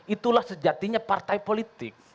itulah sejatinya partai politik